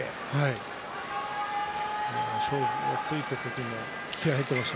勝負がついた時も気合いが入っていました。